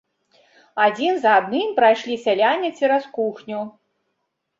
Адзін за адным прайшлі сяляне цераз кухню.